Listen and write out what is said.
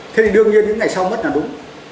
thế thì đương nhiên những ngày sau mất là đúng